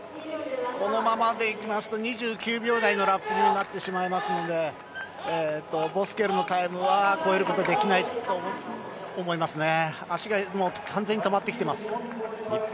このままだと２９秒台のラップになりますのでボスケルのタイムは超えることはできないと思います。